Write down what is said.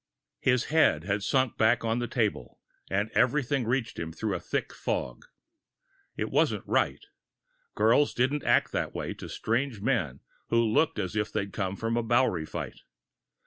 His head had sunk back on the table, and everything reached him through a thick fog. It wasn't right girls didn't act that way to strange men who looked as if they'd come from a Bowery fight.